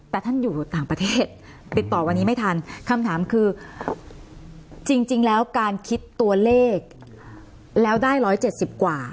แต่ท่านอยู่ต่างประเทศติดต่อวันนี้ไม่ทันคำถามคือจริงแล้วการคิดตัวเลขแล้วได้๑๗๐กว่า